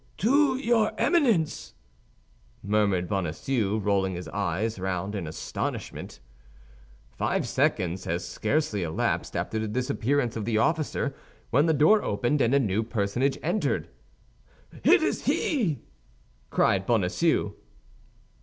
"To your Eminence!" murmured Bonacieux, rolling his eyes round in astonishment. Five seconds has scarcely elapsed after the disappearance of the officer, when the door opened, and a new personage entered. "It is he!" cried Bonacieux.